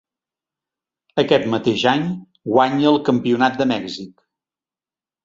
Aquest mateix any, guanya el campionat de Mèxic.